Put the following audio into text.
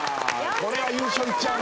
これは優勝いっちゃうな。